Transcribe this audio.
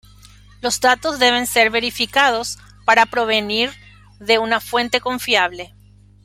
Los datos deben ser verificados para provenir de una fuente confiable.